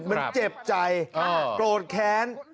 มันเจ็บใจโกรธแค้น